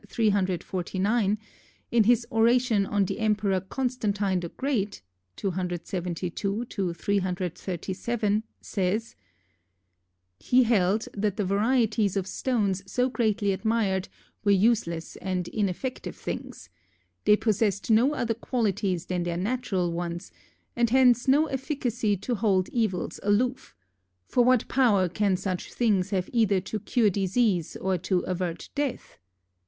349), in his oration on the Emperor Constantine the Great (272 337), says: He held that the varieties of stones so greatly admired were useless and ineffective things. They possessed no other qualities than their natural ones, and hence no efficacy to hold evils aloof; for what power can such things have either to cure disease or to avert death?